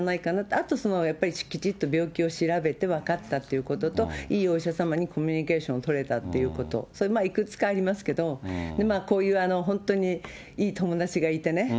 あときちっと病気を調べて分かったっていうことと、いいお医者様にコミュニケーション取れたっていうこと、それ、いくつかありますけど、こういう本当にいい友達がいてね。